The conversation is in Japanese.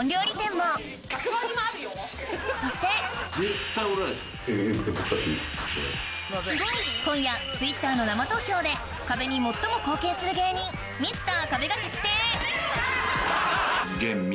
そして今夜Ｔｗｉｔｔｅｒの生投票で『壁』に最も貢献する芸人ミスター壁が決定